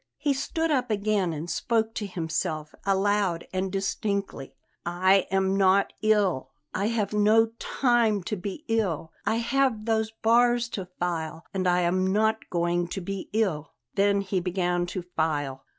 He stood up again and spoke to himself, aloud and distinctly: "I am not ill; I have no time to be ill. I have those bars to file, and I am not going to be ill." Then he began to file.